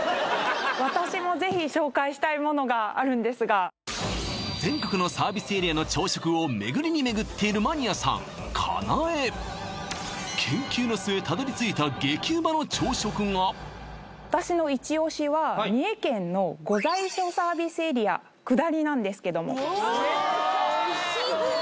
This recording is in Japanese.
私もぜひ紹介したいものがあるんですが全国のサービスエリアの朝食を巡りに巡っているマニアさん研究の末私のイチオシは三重県の御在所サービスエリア下りなんですけどもわ・おいしそう！